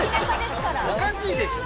おかしいでしょ。